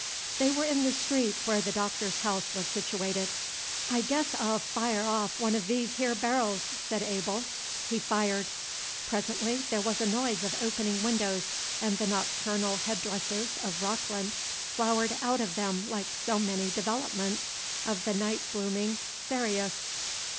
They were in the street where the Doctor's house was situated. "I guess I'll fire off one o' these here berrils," said Abel. He fired. Presently there was a noise of opening windows, and the nocturnal head dresses of Rockland flowered out of them like so many developments of the Nightblooming Cereus.